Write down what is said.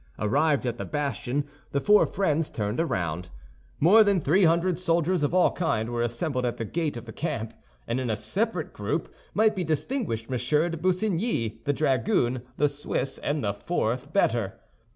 Arrived at the bastion, the four friends turned round. More than three hundred soldiers of all kinds were assembled at the gate of the camp; and in a separate group might be distinguished M. de Busigny, the dragoon, the Swiss, and the fourth bettor.